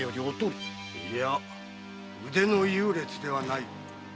いや腕の優劣ではない。